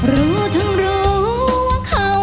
รู้ทั้งรู้ว่าเขาไม่มองแอบเขานะ